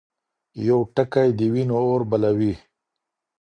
يو ټکی د وينو اور بلوي.